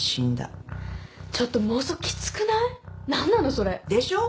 それ。でしょう？